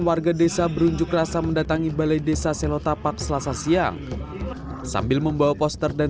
warga desa berunjuk rasa mendatangi balai desa selotapak selasa siang sambil membawa poster dan